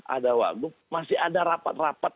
ada wagub masih ada rapat rapat